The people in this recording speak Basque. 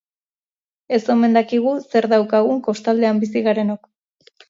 Ez omen dakigu zer daukagun kostaldean bizi garenok.